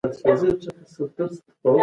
صفوي رژیم د خپل ظلم سزا ولیده.